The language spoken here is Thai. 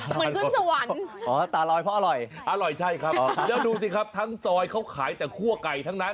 เหมือนขึ้นสวรรค์อ๋อตาลอยเพราะอร่อยอร่อยใช่ครับแล้วดูสิครับทั้งซอยเขาขายแต่คั่วไก่ทั้งนั้น